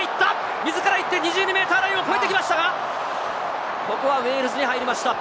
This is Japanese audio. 自ら行って２２ｍラインを越えてきましたが、ここはウェールズに入りました。